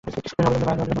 তিনি অবিলম্বে মারা যান।